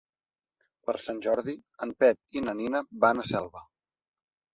Per Sant Jordi en Pep i na Nina van a Selva.